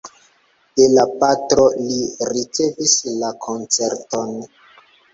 De la patro li ricevis la koncerton.